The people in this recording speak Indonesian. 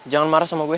jangan marah sama gue